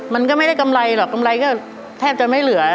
มันก็ไม่ได้กำไรหรอกกำไรก็แทบจะไม่เหลือ